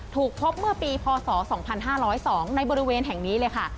ถูกพบเมื่อปีพศ๒๕๐๒ในบริเวณแห่งนี้เลยค่ะ